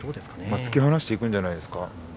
突き放していくんじゃないですか。